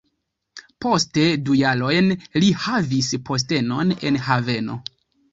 Poste du jarojn li havis postenon en Havano.